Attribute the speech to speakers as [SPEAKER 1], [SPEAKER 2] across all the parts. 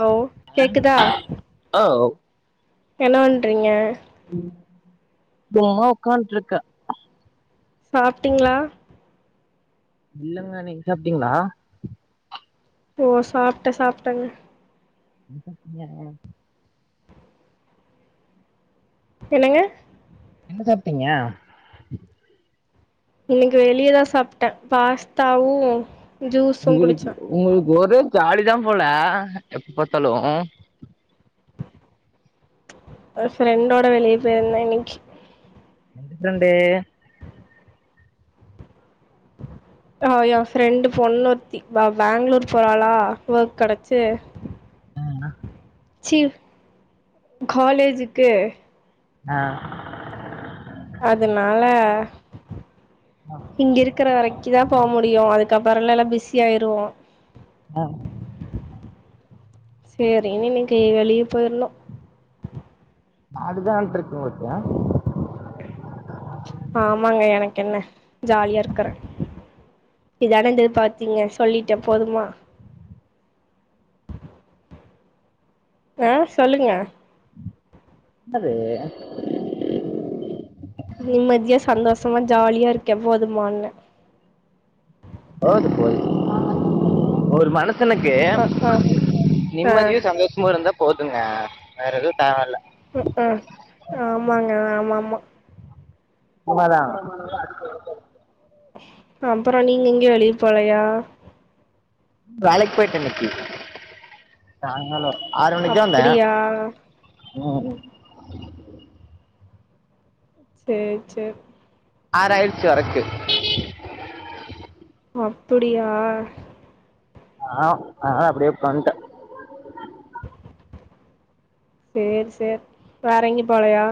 [SPEAKER 1] Hello கேக்குதா
[SPEAKER 2] ஆ
[SPEAKER 1] என்ன பண்றீங்க
[SPEAKER 2] தோ உங்காட்ருக்க
[SPEAKER 1] சாப்ட்டீங்களா
[SPEAKER 2] இல்லங்க நீங்க சாப்ட்டீங்களா
[SPEAKER 1] ஓ சாப்ட்ட சாப்ட்டங்க
[SPEAKER 2] [unintelligible]
[SPEAKER 1] என்னங்க
[SPEAKER 2] என்ன சாப்ட்டீங்க
[SPEAKER 1] இன்னைக்கு வெளியதா சாப்ட்ட பாஸ்தாவு ஜூஸு
[SPEAKER 2] உங்க
[SPEAKER 1] குடிச்சே
[SPEAKER 2] உங்க ஒரு ஜாலிதா போல எப்ப பாத்தாலு
[SPEAKER 1] ஒரு ஃப்ரண்டோட வெளிய போயிருந்தன் இன்னக்கு
[SPEAKER 2] எந்த ஃப்ரண்டு
[SPEAKER 1] ஆஹ் என் ஃப்ரெண்டு பொண்ணுருத்தி வா பெங்களூர் போறாளா ஒர்க் கிடைச்சு
[SPEAKER 2] உம்
[SPEAKER 1] சீ காலேஜுக்கு
[SPEAKER 2] ஆஹ்
[SPEAKER 1] அதனால இங்க இருக்கிற வரைக்கு தா போ முடியு அதுக்கப் வரல எலா பிஸி ஆயிருவோ
[SPEAKER 2] ஆஹ்
[SPEAKER 1] சரினு இன்னைக்கு வெளிய போயிருந்தோம்
[SPEAKER 2] [unintelligible]
[SPEAKER 1] ஆமாங்க எனக்கு என்ன ஜாலியா இருக்கற இதானந்த எதிர் பாத்தீங்க சொல்லிட்ட போதுமா ஆஹ் சொல்லுங்க
[SPEAKER 2] என்னது
[SPEAKER 1] நிம்மதியா சந்தோஷமா ஜாலியா இருக்க போதுமான
[SPEAKER 2] போது போது ஒரு மனு சனக்கு
[SPEAKER 1] ஆ ஆ ஆ
[SPEAKER 2] நிம்மதியூ சந்தோஷமுமிருந்தா போதுங்க வேற எதுவு தேவல
[SPEAKER 1] ஆஹ் ஆமாங்க ஆமாமா
[SPEAKER 2] உண்மதா
[SPEAKER 1] அப்ரோ நீங்க எங்கயு வெளிய போலையா
[SPEAKER 2] வேலைக்கு போயிட்ட இன்னைக்கு சாங்காலோ ஆறு மணிக்கு தா
[SPEAKER 1] அப்டியா
[SPEAKER 2] வந்த
[SPEAKER 1] சரி சரி
[SPEAKER 2] ஆர்ச்சு வரைக்கு
[SPEAKER 1] அப்படியா
[SPEAKER 2] ஆஹ ஆஹா அப்படியே பண்ட்ட
[SPEAKER 1] சரி சரி வேற எங்கயு போலையா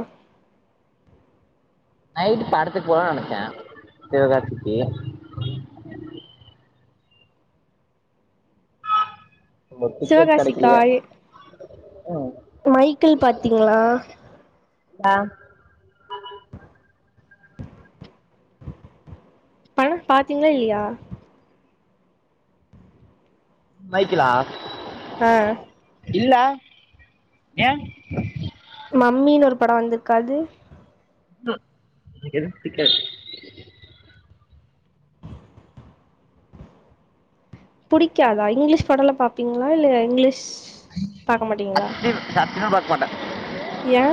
[SPEAKER 2] நைட்டு படத்துக்கு போல நெனைச்சே ஒரு டிக்கெட்
[SPEAKER 1] சிவகாசிக்கா
[SPEAKER 2] கெடைக்கலையே
[SPEAKER 1] மைக்கிள் பாத்தீங்களா
[SPEAKER 2] ஆஹ்
[SPEAKER 1] படம் பாத்தீங்களா இல்லையா
[SPEAKER 2] மைக்கிலா
[SPEAKER 1] ஆஹ்
[SPEAKER 2] இல்ல ஏன்
[SPEAKER 1] மம்மின்னு ஒரு படம் வந்திருக்கு அது
[SPEAKER 2] ஆ [inaudible] சிக்கல
[SPEAKER 1] புடிக்காதா இங்கிலீஷ் படலோ பாப்பீங்களா இல்ல இங்கிலீஷ்
[SPEAKER 2] [unintelligible] சினிமா பாக்கமாட்டே
[SPEAKER 1] எயா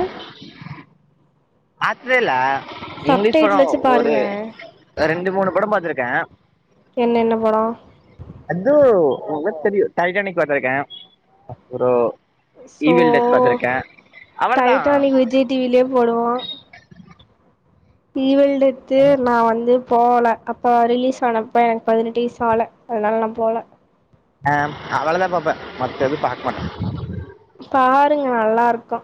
[SPEAKER 2] பத்ததே இல்ல இங்கிலீஷ்
[SPEAKER 1] சப்டைட்டில்
[SPEAKER 2] படம்
[SPEAKER 1] வச்சு
[SPEAKER 2] ஒரு
[SPEAKER 1] பாருங்க
[SPEAKER 2] ரெண்டு மூணு படம் பாத்திருக் கே
[SPEAKER 1] என்னென்ன படோ
[SPEAKER 2] நல்லா தெரியு டைட்டானிக் பாத்தருக்கே ஒரு
[SPEAKER 1] சோ
[SPEAKER 2] அவ்வளோதான்
[SPEAKER 1] டைட்டானிக் விஜய் டிவிலயே போடுவா ஈவிள் டெத்து நா வந்து போல அப்ப ரிலீஸ் ஆனப்ப எனக்கு பதினெட்டு வயசு ஆல அதனால நா போல
[SPEAKER 2] ஆ அவளவுதா பாப்பே மத்த எது பக்கமாட்டே
[SPEAKER 1] பாருங்க நல்லா இருக்கோ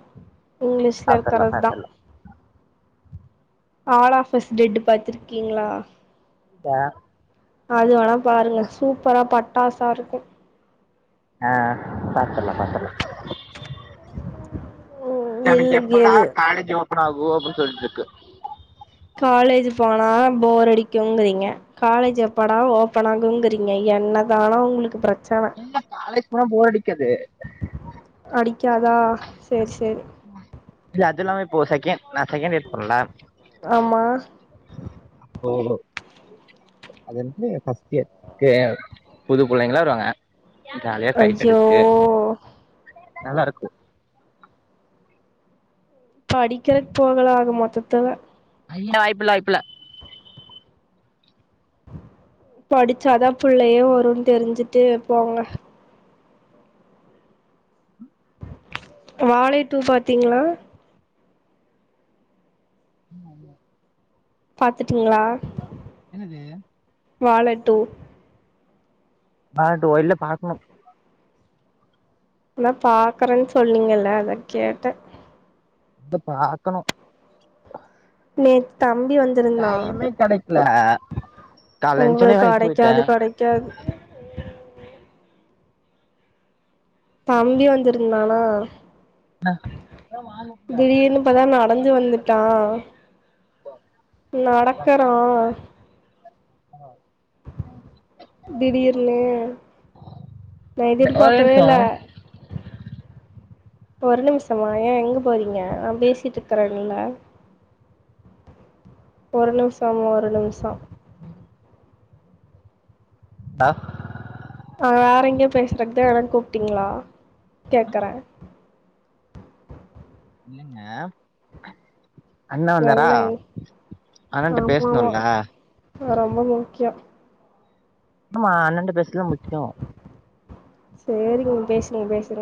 [SPEAKER 1] இங்கிலீஷ்ல
[SPEAKER 2] பார்த்துடலாம்
[SPEAKER 1] இருக்கறது தா
[SPEAKER 2] பார்த்துடலாம்
[SPEAKER 1] ஆல் ஆஃபஸ் டெட் பாத்திருக்கீங்களா
[SPEAKER 2] பா
[SPEAKER 1] அது வேணா பாருங்க சூப்பரா பட்டாசா இருக்கூ
[SPEAKER 2] ஆஹ் பாத்தல்லா பாத்தல்லா
[SPEAKER 1] [unintelligible]
[SPEAKER 2] எனக்கு
[SPEAKER 1] இல்ல
[SPEAKER 2] எப்படா
[SPEAKER 1] எது
[SPEAKER 2] காலேஜ் ஓப்பனாகூ அப்டின்னு சொல்லிட்டு இருக்கு அந்த
[SPEAKER 1] காலேஜ் போனா போர் அடிக்குங்கிறீங்க காலேஜ் எப்படா ஓபன் ஆகுங்கறீங்க என்னதானா உங்களுக்கு பிரச்ச
[SPEAKER 2] என்ன காலேஜ் போனா போறடிக்காது
[SPEAKER 1] அடிக்காதா சேரி சேரி
[SPEAKER 2] இல்ல அதுலா வே போ சக்கேன் நா செக்கேண் இயர் போருல
[SPEAKER 1] ஆமா
[SPEAKER 2] ஓஹோ அதென்று ஃபஸ்ட்டியர் கெ புது புள்ளைங்லாருவாங்க
[SPEAKER 1] ஐயோ
[SPEAKER 2] நல்லாருக்கு
[SPEAKER 1] படிக்கிறக் போகல ஆக மொத்தத்துல
[SPEAKER 2] ஐய வாய்ப்புல வாய்ப்புல
[SPEAKER 1] படிச்சாதா புள்ளயே வருன் தெரிஞ்சுட்டு போங்க வாழை டூ பாத் திங்ளா
[SPEAKER 2] [unintelligible]
[SPEAKER 1] பாத்
[SPEAKER 2] என்னது
[SPEAKER 1] வாழ டூ
[SPEAKER 2] ஆகட்டூவா இல்ல பாக்குணு
[SPEAKER 1] இல்ல பாக்கறன் சொன்னீங்கல்ல அதா கேட்ட
[SPEAKER 2] து பாக்கணு
[SPEAKER 1] நேத்துதா அம்பி வந்துருந்தா
[SPEAKER 2] கிடைக்கல காலைல எழுந்துச்சோடனே
[SPEAKER 1] ஒங்ளுக்
[SPEAKER 2] வேலைக்கு
[SPEAKER 1] அடைக்காது
[SPEAKER 2] போயிட்டேன்
[SPEAKER 1] கடக்காது தம்பி வந்துருந்தானா திடீர்னு பதா நடந்து வந்துட்டா நடக்கறா திடீர்னு நா
[SPEAKER 2] ஒரு
[SPEAKER 1] எதிர்பாக்கவேல்ல
[SPEAKER 2] நிமிஷம்
[SPEAKER 1] ஒரு நிம்ஷமா ஏ எங்க போறீங்க நா பேசிட்ருக்கறன்ல்ல ஒரு நிம்ஷமா ஒரு நிம்ஷ
[SPEAKER 2] டா
[SPEAKER 1] அ வேறங்யோ பேசுறக்தா எனக் கூப்ட்டீங்ளா கேக்கற
[SPEAKER 2] இல்லங்க அண்ண வந்தாரா
[SPEAKER 1] என்னை
[SPEAKER 2] அண்ணன்ட்ட
[SPEAKER 1] ஆமாமா
[SPEAKER 2] பேஸ்ணுல்ல
[SPEAKER 1] ரொம்ப முக்யோ
[SPEAKER 2] அமா அண்ணன்ட்ட பேஸ்ல முக்யோ
[SPEAKER 1] சேரிங்க பேஸ்னி பேசுற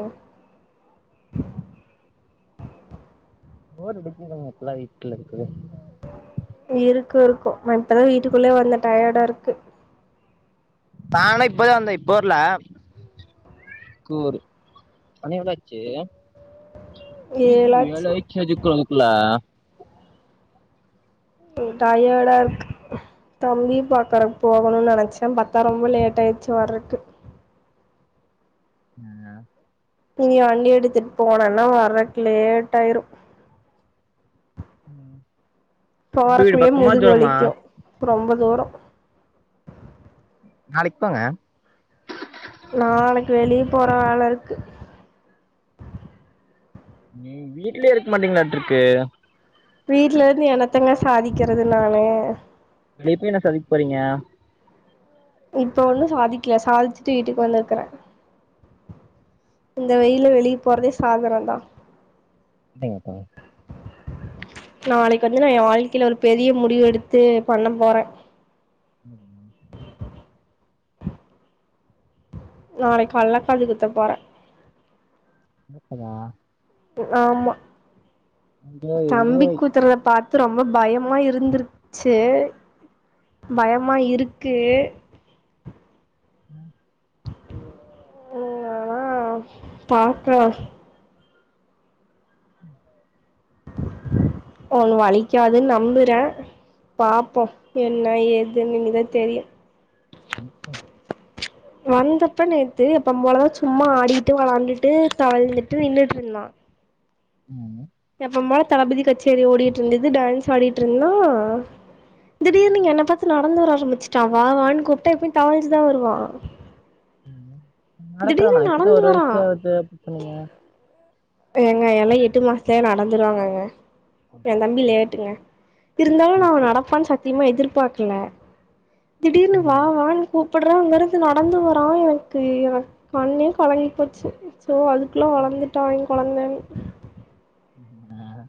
[SPEAKER 2] போர் அடிக்கிதுங்க இப்லா வீட்ல இர்க்கவே
[SPEAKER 1] இருக்கு இருக்கு நா இப்பதா வீட்டுக்குள்ளே வந்த டயடாருக்கு
[SPEAKER 2] தான இப்பதா வந்த இப்ப வர்ல கூரு மணி எவ்ளாச்சி [unintelligible]
[SPEAKER 1] ஏழாச்சு
[SPEAKER 2] ஏழாய்ட்ச்சி ஜிக்குள முக்குள
[SPEAKER 1] டயட்டாருக்கு தம்பி பாக்கற போகணு நெனச்ச பத்தா ரொம்ப லேட் ஆயிட்ச்சி வர்றக்கு
[SPEAKER 2] [unintelligible]
[SPEAKER 1] இனி வண்டி எடுத்துட்டு போனன்னா வர்றக்கு லேட்டாயிரு
[SPEAKER 2] ம்
[SPEAKER 1] போறக்குள்ளயே முதுகு வலிக்கு ரொம்ப தூரொ
[SPEAKER 2] நாளக்கி போங்க
[SPEAKER 1] நாளக்கி வெளிய போற வேல இருக்கு
[SPEAKER 2] நீ வீட்லயே இருக்க மாட்டீங்களாட்ருக்கு
[SPEAKER 1] வீட்ல இருந்து என்னத்தங்க சாதிக்கெறது நானு
[SPEAKER 2] வெளிய போய் என்ன சாதிக் போறீங்க
[SPEAKER 1] இப்ப ஒண்ணு சாதிக்கில சாதிச்சிட்டு வீட்டுக்கு வந்துருக்குற இந்த வெயில்ல வெளிய போறதே சாதனம்தா
[SPEAKER 2] அப்டிங்கப்பா
[SPEAKER 1] நாளைக்கு வந்து நா ஏ வாழ்க்கைல ஒரு பெரிய முடிவு எடுத்து பண்ண போற
[SPEAKER 2] ம்
[SPEAKER 1] நாளைக்கால்ல காது குத்த போற
[SPEAKER 2] [unintelligible]
[SPEAKER 1] ஆமா
[SPEAKER 2] என்ஜாய்
[SPEAKER 1] தம்பிக்
[SPEAKER 2] என்ஜாய்
[SPEAKER 1] குத்துறத பாத்து ரொம்ப பயமா இரு ருந்துருச்சு பயமா இருக்கு
[SPEAKER 2] ம்
[SPEAKER 1] ஆ ஆனா பாக்லாம் ஒன்னு வலிக்காதுன் நம்புற பாப்போ என்ன ஏதுன் இனிதா தெரியு
[SPEAKER 2] உம் ம்
[SPEAKER 1] வந்தப்ப நேத்து எப்பம்போலதா சும்மா ஆடியிட்டு வளாண்டுட்டு தவழ்ந்துட்டு நின்னுட்ருந்தா
[SPEAKER 2] ம்
[SPEAKER 1] எப்பம் போல தளபதி கச்சேரி ஓடிட்ருந்துது டான்ஸ் ஆடிட்ருந்தா திடீர்னு என்னப் பாத்து நடந்து வர ஆரம்பிச்சிட்டா வா வான் கூப்ட்டா எப்பயு தவழ்ந்துதா வருவா
[SPEAKER 2] நடக்குறானா
[SPEAKER 1] திடீர்னு
[SPEAKER 2] இப்பதா
[SPEAKER 1] நடந்து
[SPEAKER 2] ஒரு
[SPEAKER 1] வரா
[SPEAKER 2] வயசே ஆவ்து அப்டின் சொன்னீங்க
[SPEAKER 1] ஏங்க எல்லா எட்டு மாசத்லயே நடந்துருவாங்கங்க ஏ தம்பி லேட்டுங்க இருந்தாலு நா அவ நடப்பான் சத்தியமா எதிர்ப் பாக்ல திடீர்னு வா
[SPEAKER 2] ம்.
[SPEAKER 1] வான் கூப் எப்பிடற அங்கிறது நடந்து வரான் எனக்கு என் கண்ணே கலங்கி போச்சு ஸ்ஸோ அதுக்குள்ள வளந்துட்டாங் கொழந்தன்
[SPEAKER 2] ஹ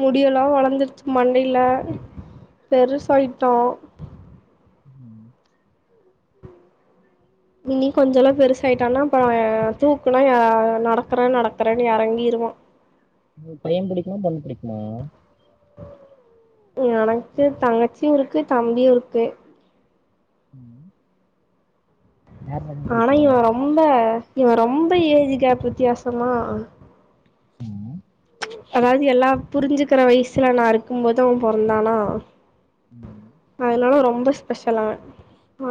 [SPEAKER 1] முடியெல்லாம் வளர்ந்துருச்சு மண்டையில பெருசாயிட்டா
[SPEAKER 2] உம்
[SPEAKER 1] இனி கொஞ்சல்லா பெருசாயிட்டானா அப்பற தூக்குனா நடக்கறே நடக்கறன்னு எறங்கிருவா
[SPEAKER 2] உ பையன் புடிக்குமா பொண்ணு புடிக்குமா
[SPEAKER 1] எனக்கு தங்கச்சியு இருக்கு தம்பியு இருக்கு
[SPEAKER 2] உம்
[SPEAKER 1] ஆனா இவ ரொம்ப இவ ரொம்ப ஏஜ் கேப் வித்தியாசமா அதாவது எல்லா புரிஞ்சுக்கிற வயசுல நா இருக்கு போது அவ பொறந்தானா
[SPEAKER 2] ம்.
[SPEAKER 1] அதனால ரொம்ப ஸ்பெஷலா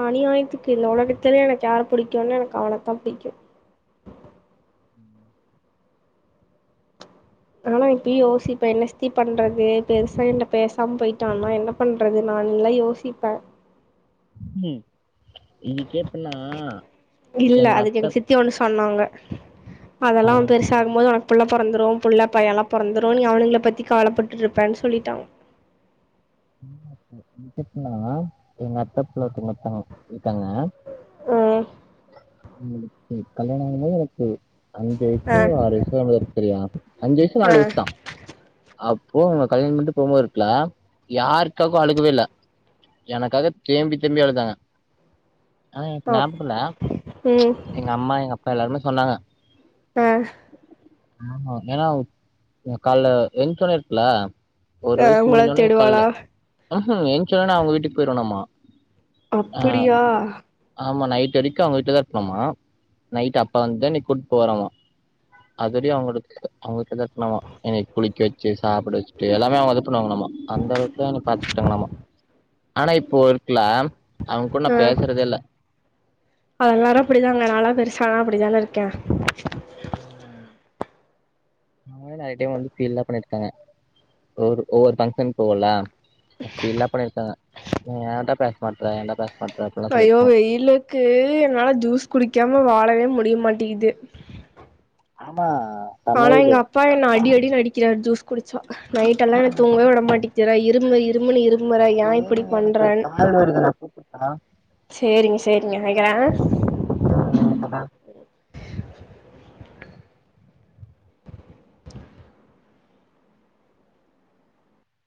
[SPEAKER 1] அநியாயத்துக்கு இந்த உலகத்திலேயே எனக்கு யார் பிடிக்கும்னு எனக்கு அவனைத்தா புடிக்கு
[SPEAKER 2] ம்
[SPEAKER 1] ஆனா இப்பயு யோசிப்பே என்ன சித்தி பண்றது பெருசாயி என்ட பேசாம போயிட்டான்னா என்ன பண்றது நா எல்லா யோசிப்பே
[SPEAKER 2] ம் இது கேப்பு எல்லா
[SPEAKER 1] இல்ல அதுக்கு எங்க சித்தி ஒண்ணு சொன்னாங்க அதெல்லா அவ
[SPEAKER 2] இது
[SPEAKER 1] பெருசாகு போது அவ புள்ள பொறந்துரு புள்ள பையல்லா பொறந்துரு நீ அவனுங்களை பத்தி கவலைப்பட்டுட்டு இருப்பேன்னு சொல்லிட்டாங்க
[SPEAKER 2] [unintelligible] எங்க அத்த வீட்ல ஒருத்தவங்க இருக்காங்க
[SPEAKER 1] ஆஹ்
[SPEAKER 2] உங்களுக்கு கல்யாணம் ஆகும்போது எனக்கு அஞ்சு வயசோ
[SPEAKER 1] ஆ
[SPEAKER 2] ஆறு வயசோ [unintelligible] செரியா அஞ்சு வயசு நாலு
[SPEAKER 1] ஆ
[SPEAKER 2] வயசுதா அப் போகணு கல்யாண பண்ணிட்டு போம்போது எடுத்துக்கலா யாருக்காகவு அழுகவே இல்ல எனக்காக தேம்பி தேம்பி அழுதாங்க ஆனா எனக்கு
[SPEAKER 1] அப்
[SPEAKER 2] ஞாபகம் இல்ல
[SPEAKER 1] ம்
[SPEAKER 2] எங்க அம்மா எங்க அப்பா எல்லாருமே சொன்னாங்க
[SPEAKER 1] ஆஹ்
[SPEAKER 2] ஆஹ ஏன்னா உங்க கால்ல [unintelligible] இருக்குல ஒரு
[SPEAKER 1] ஆ
[SPEAKER 2] வயசு
[SPEAKER 1] உங்கள
[SPEAKER 2] முடிஞ்சவுண்ணே
[SPEAKER 1] தேடுவாளா
[SPEAKER 2] காலைல ம்ஹு எஞ்ச உடனே அவங்க வீட்டுக்கு போயிருவானாமா
[SPEAKER 1] அப்புடியா
[SPEAKER 2] ஆமா நைட்டு வரைக்கும் அவங்கிட்ட தா இருக்கணுமா நைட்டு் அப்பா வந்து தா என்ன கூட்டு போவாறம்மா அது வரையு அவங்க அவங்கிட்ட தா இருக்கணும்மா என்ன குளிக்க வச்சு சாப்ட வச்சட்டு எல்லாமே அவுங்க தா பண்ணுவாங்களாமா அந்த அளவுக்குலா என்ன பாத்துகிட்டாங்களாமா ஆனா இப்போ இருக்கல அவுங்க கூட நான்
[SPEAKER 1] ஆ
[SPEAKER 2] பேசுறதே இல்ல
[SPEAKER 1] எல்லாரு அப்படிதாங்க நாலா அப்டித்தான இருக்கேன்
[SPEAKER 2] நேராய்டே வந்து ஃபீல்லாம் பண்ணிருக்காங்க ஒரு ஒவ்வொரு பங்ஷனுகா போவோல அப் ஃபீல்லாம் பண்ணிருக்காங்க ஏன்டா பேச மாட்ற ஏன்டா பே
[SPEAKER 1] ஐயோ வெயிலுக்கு என்னால ஜூஸ் குடிக்காம வாழவே முடியமாட் டிது
[SPEAKER 2] ஆமா
[SPEAKER 1] ஆனா
[SPEAKER 2] சமையல்
[SPEAKER 1] எங்க அப்பா என்ன அடி அடி அடின்னு அடிக்கிறாரு ஜூஸ் குடிச்சா நைடெல்லாம் இவே தூங்கவே விடமாட்டி [unintelligible] இருமு இருமுனு இரும் முறை ஏன் இப்டி
[SPEAKER 2] எனக்கு ஒரு
[SPEAKER 1] பண்றன்
[SPEAKER 2] கால் வருது நான் கூப்பிட்டா
[SPEAKER 1] சேரிங்க சேரிங்க வக்கறேன்